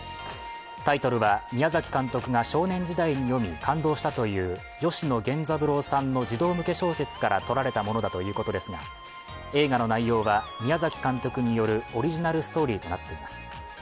タイトルは、宮崎監督が少年時代に読み、感動したという吉野源三郎さんの児童向け小説からとられたということですが、映画の内容は宮崎監督によるオリジナルストーリーとなっています。